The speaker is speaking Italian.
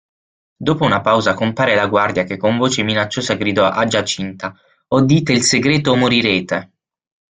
Dopo una pausa compare la guardia che con voce minacciosa gridò a Giacinta: "O dite il segreto o morirete!".